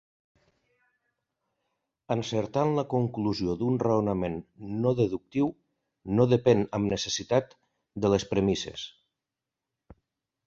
Encertar en la conclusió d'un raonament no deductiu no depèn amb necessitat de les premisses.